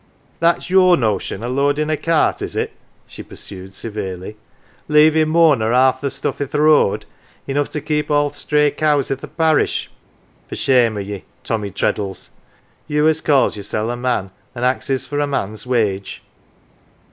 "That's your notion o' loadin' a cart, is it?"" she pursued severely, " leavin' more nor 'alf the stuff i' th' road, enough to keep all the stray cows i' the parish. 79 NANCY For shame of ye, Tommy Treddles you, as calls your seP a man, an' axes for man's wage